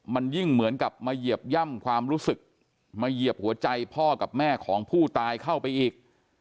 มันยิ่งเหมือนกับมาเหยียบย่ำความรู้สึกมาเหยียบหัวใจพ่อกับแม่ของผู้ตายเข้าไปอีก